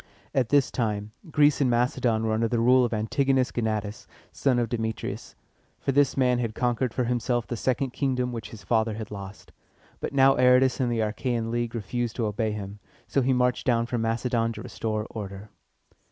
At this time, Greece and Macedon were under the rule of Antigonus Go na´tas, son of Demetrius; for this man had conquered for himself the second kingdom which his father had lost. But now Aratus and the Achæan League refused to obey him, so he marched down from Macedon to restore order.